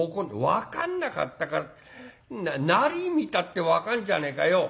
「分かんなかったからってなり見たって分かんじゃねえかよ。